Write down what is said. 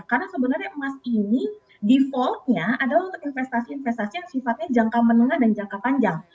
karena sebenarnya emas ini defaultnya adalah untuk investasi investasi yang sifatnya jangka menengah dan jangka panjang